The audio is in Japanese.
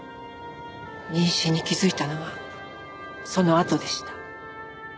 妊娠に気づいたのはそのあとでした。